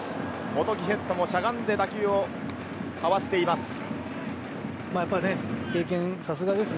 元木ヘッドもしゃがんで打球をかわしています。